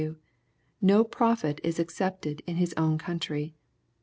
you, No prophet ia accepted m hit own country.